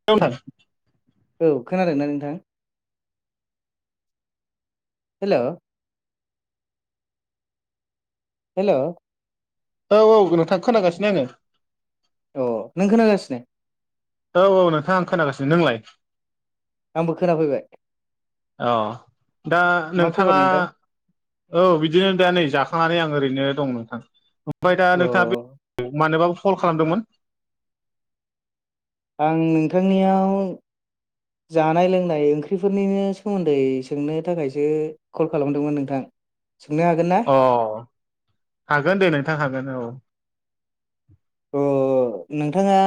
[unintelligible] औ खोनादोंना नोंथां हेल' हेल' औ औ नोंथां खोनागासिनो आङो अ नों खोनागासिनो औ औ नोंथाङा आं खोनागासिनो नोंलाय आंबो खोनाफैबाय औ दा मा खबर नोंथाङा नोंथां औ बिदिनो दा नै जाखांनानै आं ओरैनो दं नोंथां ओमफ्राय दा अ नोंथाङा बे मानोबाबो कल खालामदोंमोन? आं नोंथांनियाव जानाय लोंनाय ओंख्रिफोरनिनो सोमोन्दै सोंनो थाखायसो कल खालामदोंमोन नोंथां सोंनो हागोन ना अ हागोन दे नोंथां हागोन औ अ नोंथाङा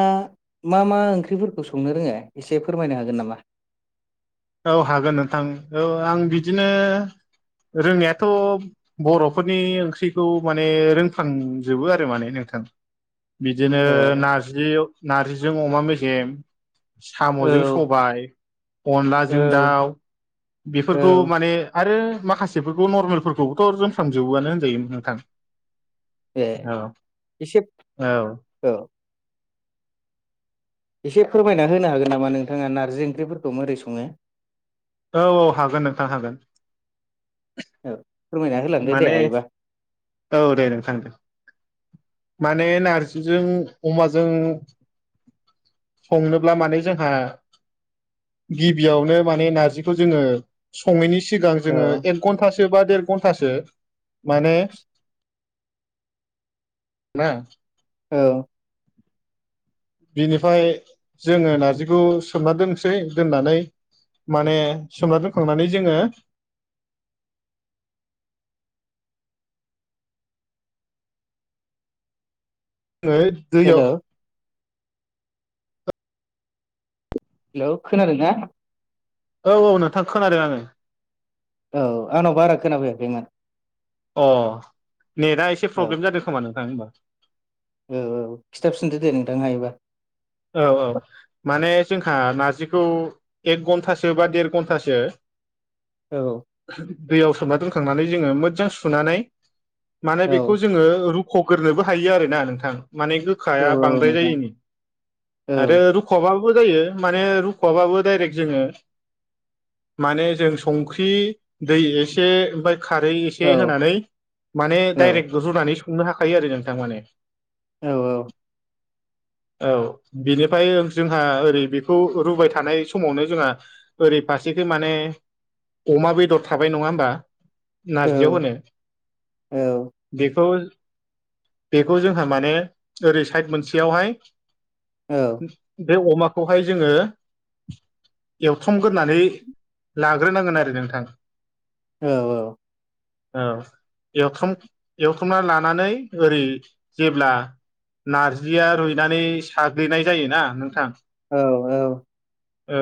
मा मा ओंख्रिफोरखौ संनो रोङो एसे फोरमायनो हागोन नामा? औ हागोन नोंथां औ आं बिदिनो रोंनायाथ' बर'फोरनि ओंख्रिखौ माने रोंफ्लांजोबो आरो माने नोंथां बिदिनो अ नारजि नार्जिजों अमा मेसेेम साम'जों औ सबाय, अनलाजों औ दाउ बेफोरखौ मा औ माने आरो माखासेफोरखौ नर्मेलफोरखौबोथ' रोंफ्राजोबोआनो होनजायो नोंथां ए औ एसे औ औ एसे फोरमायना होनो हागोन नामा नोंथाङा नारजि ओंख्रिफोरखौ माबोरै सङो औ औ हागोन नोंथां हागोन औ फोरमायना होलांदो दे माने हायोबा औ दे नोंथां दे माने नार्जिजों अमाजों संनोब्ला माने जोंहा गिबियावनो माने नारजिखौ जोङो सङैनि सिगां औ जोङो एक घन्टासो बा देर घन्टासो माने ना औ बिनिफ्राय जोङो नारजिखौ सोमना दोनसै दोननानै माने सोमना दोनखांनानै जोङो ओ हेलौ दैयाव हेलौ खोनादों ना? औ औ नोंथां खोनादों आङो औ आंनाव बारा खोनाफैयाखैमोन अ नेटआ एसे औ प्रब्लेम जादों खोमा नोंथां होमबा औ औ खिन्थाबफिनदो दे नोंथां हायोबा औ औ माने जोंहा नार्जिखौ एक घन्टासो बा देर घन्टासो औ दैयाव सोमना दोनखांनानै जोङो मोजां सुनानै माने बेखौ औ जोङो रु खग्रोनोबो हायो आरोना नोंथां माने औ गोखाया बांद्राय नोंथां जायैनि। आरो औ रुख'बाबो जायो माने रुख'आबाबो डाइरेक्ट जोङो माने जों संख्रि दै एसे ओमफ्राय खारैए औ से होनानै माने औ डाइरेक रुनानै संनो हाखायो आरो नोंथां माने। औ औ। औ। बेनिफ्राय जोंहा ओरै बेखौ रुबाय थानाय समावनो जोंहा ओरै फारसेखै माने अमा बेदर थाबाय नङा होमबा औ नाराजदियाव ने बेखौ बेखौ जोंहा माने ओरै साइद मोनसेयावहाय औ। बे अमाखौहाय जोङो एवथमग्रोनानै लाग्रोनांगोन आरो नोंथां। औ औ। औ। ए-एवखामना लानानै ओरै जेब्ला नारजिया रुइनानै साग्लिनाय जायोना नोंथां? औ औ। औ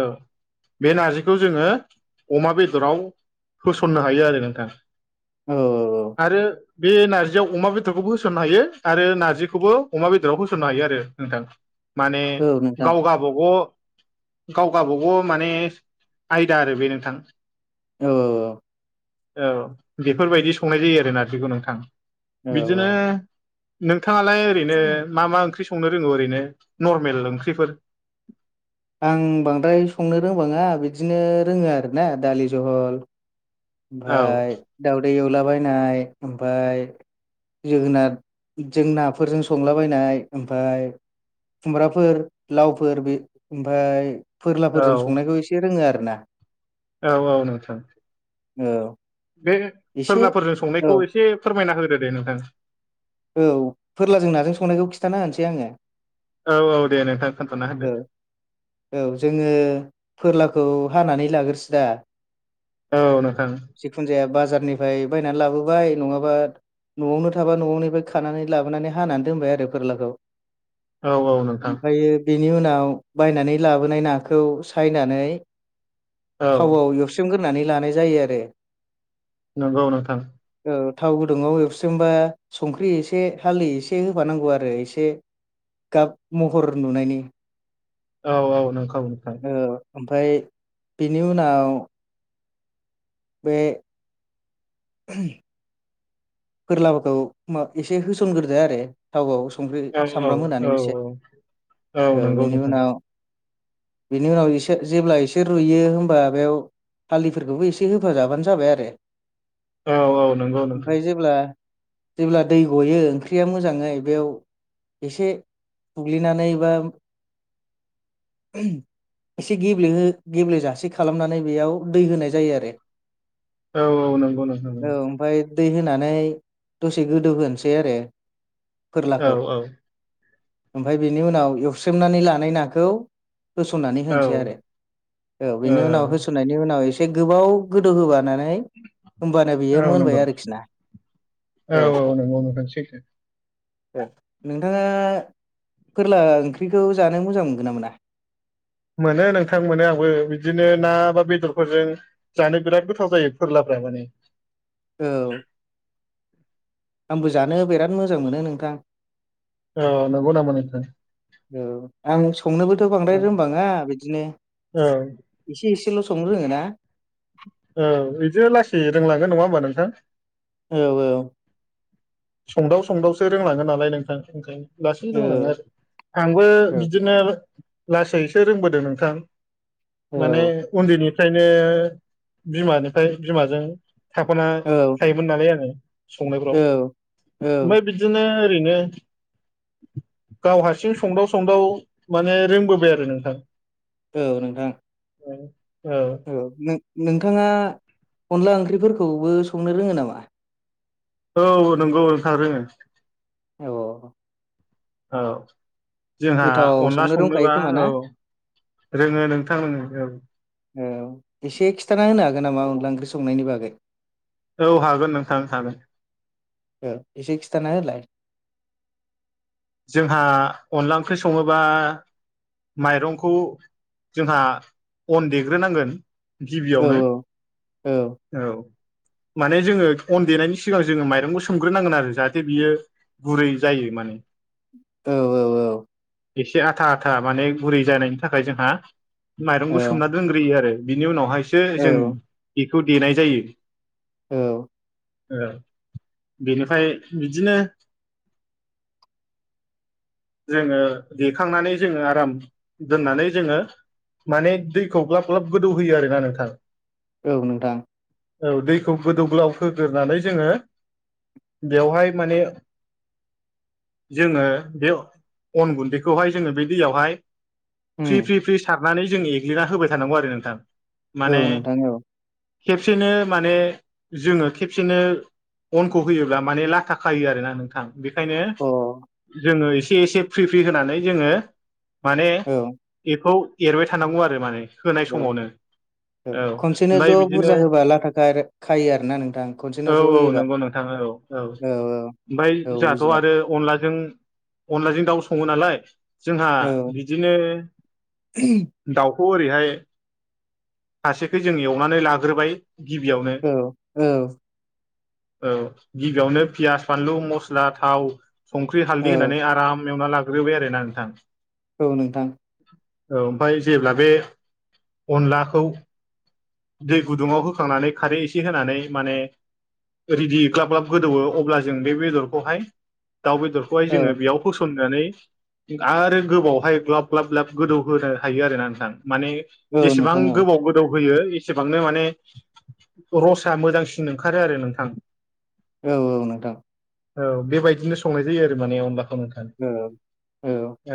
बे नार्जिखौ जोङो अमा बेदराव होसननो हायो आरो नोंथां। आरो बे नारजियाव अमा बेदरखौबो होसननो हायो आरो नारजिखौबो अमा बेदराव होसननो हायो आरो नोंथां। माने औ नोंथां गाव गबागाव गाव गाबागाव माने आयदा आरो बे नोंथां। औ। औ औ बेफोरबायदि संनाय जायो आरो नारजिखौ नोंथां। बिदिनो औ नोंथाङालाय ओरैनो मा मा ओंख्रि संनो रोंगौ ओरैनो? नर्मेल ओंख्रिफोर। आं बांद्राय संनो रोंबाङा बिदिनो रोङो आरो ना दालि जहल। औ ओमफाय दाउदै एवलाबायनाय ओमफाय जोगोनारजों नाफोरजों संलाबायनाय ओमफाय खुमब्राफोर लावफोर बे ओमफफ्राय औ फोरलाफोरजों संनायखौ एसे रोङो आरो ना। औ औ नोंथां। औ। बे एसे फोरलाफोरजों औ संनायखौ एसे फोरमायना होदो दे नोंथां। औ फोरलाजों नाजों संनायखौ खिथाना होनोसै आङो। औ औ दे नोंथां खोन्थाना औ होदो। औ जोङो फोरलाखौ हानानै लाग्रोसोदा औ नोंथां। जिखुनु जाया बाजारनिफ्राय बायनानै लाबोबाय नङाबा न'आवनो थाबा न'निफ्राय खानानै लाबोनानै हानानै दोनबाय आरो फोरलाखौ औ औ नोंथां ओमफ्रायायो बेनि उनाव बायनानै लाबोनाय नाखौ सायनानै औ थावआव एवस सोमगोरोनानै लानाय जायो आरो नंगौ नों थां। औ थाव गुदुंआव एवस्रेमबा संख्रि एसे हालदै एसे होफानांगौ आरो एसे गाब महर नुनायनि औ औ नंखौ नोंथां। ओमफ्राय बेनि उनाव बे [unintelligible] फोरलाफोरखौ एसे होसनग्रोदो आरो। थावआव संख्रि औ औ सामब्राम औ होनानै एसे औ बेनि उनाव बिनि उनाव एसे जेब्ला एसे रुइयो होमबा बेयाव हालदैफोरखौबो एसे होफाजाबानो जाबाय आरो। औ औ नंगौ नोंथां।। अब्ला जेब्ला दै गयो ओंख्रिया मोजाङै बेयाव। एसे फुग्लिनानै बा। एसे गेब्लेहो गेब्लेेजासे खालामनानै बेयाव दै होनाय जायो आरो। औ औ नंगौ नोंथां औ ओमफ्राय दै होनानै दसे गोदौ होनोसै आरो औ फोरलाखौ। औ ओमफाय बेनि उनाव एवस्रमनानै लानाय नाखौ होसननानै औ होनोसै आरो औ बेनि उनाव हो बुथुनायनि उनाव एसे गोबाव गोदौहोबानानै होमबानो बियो औ नंगौ मोनबाय आरोखिना। औ औ नोंगौ नोंथां सैथो। नोंथाङा फोरला ओंख्रिखौ जानो मोजां मोनगोन ना मोना। मोनो नोंथां मोनो आंबो बिदिनो ना बा बेदरफोरजों। जानो बिराद गोथाव जायो फोरलाफ्रा माने। औ। आंबो जानो बिराद मोजां मोनो नोंथां। अ नंगौ नामा नोंथां। औ आं संनोबोथ' बांद्राय औ रोंबाङा बिदिनो। औ। एसे एसेल' संनो रोङोना। औ बिदि लासै रोंलांगोन नङा होमबा नोंथां। औ। संदाव संदावसो रोंलांगोन नालाय नोंथां ओंखायनो। लासैनो रोंलाङो आरो औ आंबो बिदिनो लासैसो रोंबोदों नोंथां। माने औ उन्दैनिफ्रायनो। बिमानिफ्राय बिमाजों थाफाना औ थायोमोन नालाय आङो। औ संनायफ्राव औ ओमफ्राय बिदिनो ओरैनो। गाव हारसिं संदाव संदाव माने रोंबोबाय आरो नोंथां। औ नोंथां। औ। औ नोंथाङा अनला ओंख्रिफोरखौबो संनो रोङो नामा। औ नंगौ नोंथां रोङो। औ। औ। जोंहा गोथाव अनला संनो रोंखायो संनोबा खोमा ना औ रोङो नोंथां रोङो औ। औ एसे खिथाना होनो हागोन नामा अनला ओंख्रि संनायनि बागै। औ हागोन नोंथां हागोन। औ एसे खिथाना होलाय। जोंहा अनला ओंख्रि सङोबा। माइरंखौ जोंहा अन देग्रोनांगोन। औ गिबियावनो औ औ। माने जोङो अन देनायनि सिगां जोङो माइरंखौ सोमग्रोनांगोन आरो जाहाथे बियो। गुरै जायो माने। औ। औ एसे आथा आथा माने गुरै जानायनि थाखाय जोंहा माइरंखौ सोमना दोनग्रोयो आरो। बिनि उनावहायसो जों औ बेखौ देनाय जायो। औ। औ बेनिफ्राय बिदिनो। जोङो देखांनानै जोङो आराम दोननानै जोङो माने दैखौ ग्लाब ग्लाब गोदौहोयो आरोना नोंथां। औ नोंथां। औ दैखौ गोदौ ग्लाव होगोरनानै जोंङो बेवहाय माने जोंङो बे अन गुन्दैखौहाय जोंङो बे दैयावहाय उम फ्रि फ्रि फ्रि सारनानै जों एग्लिना होबाय थानांगौ आरो नोंथां माने औ नोंथां औ खेबसेनो माने जोंङो खेबसेनो अनखौ होयोब्ला माने ला थाखायो आरोना नोंथां बेखायनो अ औ जोंङो एसे एसे फ्रि फ्रि होनानै जोंङो माने बेखौ एरबाय थानांगौ आरो माने होनाय औ समावनो। औ खनसेनो ओमफ्राय ज' बिदिनो बुरजा होबा लाथााख खायो आरोना नोंथां खनसेनो ज' होयोबा। नोंथाङा औ औ औ औ। ओमफ्राय औ जोंहाथ' बुजिबाय आरो अनलाजों अनलाजों दाउ सङो नालाय जोंहा औ बिदिनो दाउखौ ओरैहाय फारसेखै जों एवनानै लाग्रोबाय। गिबियावनो। औ औ औ गिबियावनो पियास, फानलु, मस्ला, थाव संख्रि हालदै होनानै औ आराम एवना लाग्रोबाय आरो ना नोंथां। औ नोंथां। औ ओमफाय जेब्ला बे अनलाखौ दै गुदुङाव होखांनानै खारै एसे होनानै माने रेदि ग्लाब ग्लाब गोदौवो अब्ला जों बे बेदरखौहाय दाउ बेदरखौहाय औ जोंङो बेयाव होसननानै आरो गोबावहाय ग्लाब ग्लाब ग्लाब गोदौ होनो हायो आरोना नोंथां माने औ जेसेबां नोंथां औ गोबाव गोदौ होयो ए एसेबांनो माने रसा मोजांसिन ओंखारो आरो नोंथां। औ औ नोंथां। औ बेबायदिनो संनाय जायो आरो माने अनलाखौ नोंथां औ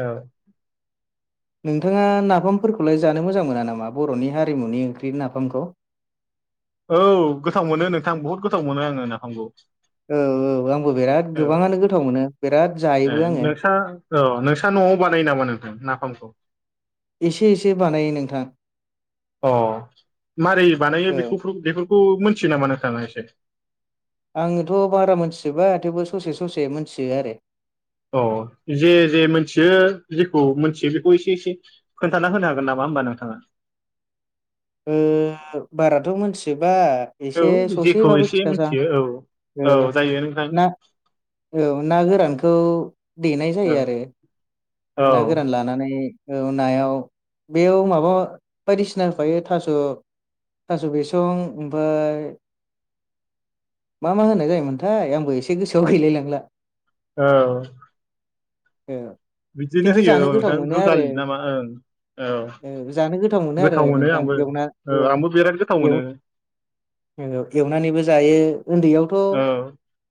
औ। नोंथाङा नाफामफोरखौलाय जानो मोजां मोना नामा बर'नि हारिमुनि ओंख्रि नाफामखौ? औ गोथाव मोनो नोंथां बुहुद गोथाव मोनो आंङो नाफामखौ। औ औ आंबो बिराद औ गोबाङानो गोथाव मोनो बिराद ए जायोबो आङो। नोंसा औ नोंस्रा न'आव बानायो नामा नोंथां नाफामखौ? एसे एसे बानायो नोंथां। अ मारै बानायो औ बेफुफ्रु बेफोरखौ मोनथियो नामा नोंथाङा एसे? आङोथ' बारा मोनथिजोबा थेवबो ससे ससे मोनथियो आरो। अ जे जे मोनथियो जेखौ मोनथियो बेखौ एसे एसे खोनथाना होनो हागोन नामा होमबा नोंथाङा? ओ बाराथ' मोनथिजोबा। औ एसे जेखौ ससेबाबो एसे खिथाजा मिथियो औ औ ओ जायो नोंथां ना? औ ना गोरानखौ देनाय औ जायो आरो औ ना गोरान लाना नानै औ नायाव बेयाव माबा बायदिसिना होफायो थास' थास' बिसं ओमफाय मा मा होनाय जायोमोनथाय आंबो एसे गोसोआव गैलायलांला। औ। ए। बिदिनो होयो औ नोंथां दुदालि नामा ओं। औ औ जानो आरो गोथाव मोनो नोंथां आंबो एवना ओ आंबो बिराद गोथाव मोनो। नंगौ एवनानैबो जायो उन्दैयावथ' औ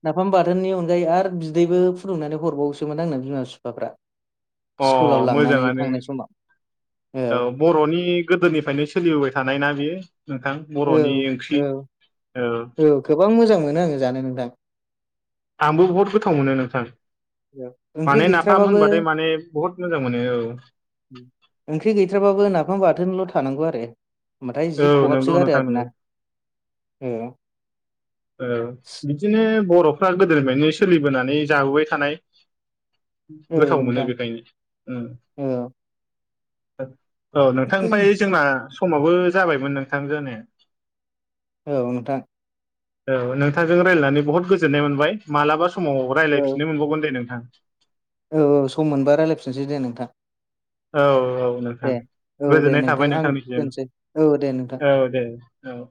नाफाम बाथोननि अनगायै आरो बिदैबो फुदुंनानै हरबावोसोमोन आंना बिमा बिफाफ्रा। अ स्कुलाव लांनानै मोजाङानो थांनाय समाव औ। बर'नि गोदोनिफ्रायनो सोलिबोबाय थानाय ना बेयो नोंथां औ बर'नि औ ओंख्रि। औ गोबां मोजां मोनो आङो जानो नोंथां। आंबो बहुत गोथाव मोनो नोंथां। औ ओंख्रि माने नाफाम गैथ्राबाबो होनबाथाय माने बहुत मोजां मोनो औ। ओंख्रि गैथ्राबाबो नाफाम बाथोनल' थानांगौ आरो। होमबाथाय जि औ नंगौ खहाबसोगारो नोंथां नंगौ आरोना। औ। औ बिदिनो बर'फ्रा गोदोनिफ्रायनो सोलिबोनानै जाबोबाय थानाय औ गोथाव मोनो नोंथां बेखायनो ओ। औ औ नोंथां ओमफ्राय जोंना समाबो जाबायमोन नोंथां जानाया। औ नोंथां। औ नोंथांजों रायज्लायनानै बहुद गोजोननाय मोनबाय मालाबा समाव औ रायज्लायफिननो मोनबावगोन दे नोंथां। औ औ सम मोनबा रायज्लायफिननोसै दे नोंथां। औ औ नोंथां दे औ दे गोजोननाय थाबाय नोंथां आं नोंथांनिसिम दोनसै औ दे नोंथां औ दे। औ।